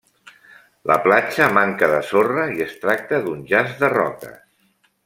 La platja manca de sorra i es tracta d'un jaç de roques.